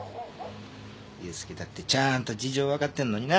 佑介だってちゃんと事情わかってんのにな。